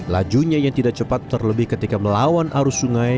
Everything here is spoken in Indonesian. lajunya yang tidak cepat terlebih ketika melawan arus sungai